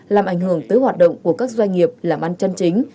làm ảnh hưởng tới hoạt động của các doanh nghiệp làm ăn chân chính